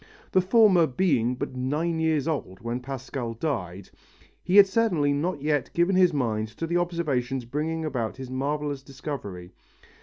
The former being but nine years old when Pascal died, he had certainly not yet given his mind to the observations bringing about his marvellous discovery.